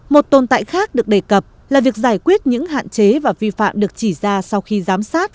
một tồn tại khác được đề cập là việc giải quyết những hạn chế và vi phạm được chỉ ra sau khi giám sát